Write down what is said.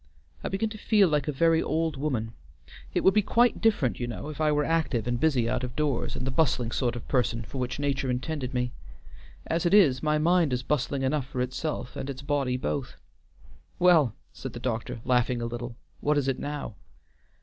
I begin to feel like a very old woman; it would be quite different, you know, if I were active and busy out of doors, and the bustling sort of person for which nature intended me. As it is, my mind is bustling enough for itself and its body both." "Well," said the doctor, laughing a little, "what is it now?"